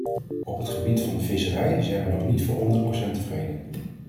Op het gebied van de visserij zijn wij nog niet voor honderd procent tevreden.